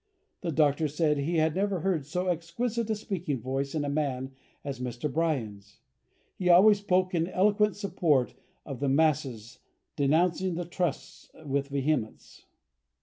The Doctor said he had never heard so exquisite a speaking voice in a man as Mr. Bryan's. He always spoke in eloquent support of the masses, denouncing the trusts with vehemence.